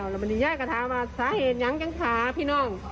แล้ววันนี้ยายก็ถามว่าสาเหตุยังยังขาพี่น้อง